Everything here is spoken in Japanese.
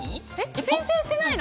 申請してないの。